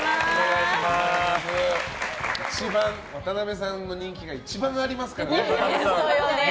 渡邊さんの人気が一番ありますから。